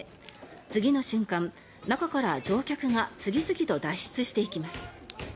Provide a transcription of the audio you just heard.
次の瞬間、中から乗客が次々と脱出していきます。